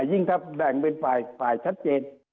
ยิ่งถ้าแบ่งเป็นฝ่ายชัดเจน